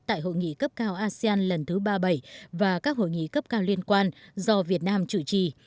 tại hội nghị cấp cao asean lần thứ ba mươi bảy và các hội nghị cấp cao liên quan do việt nam chủ trì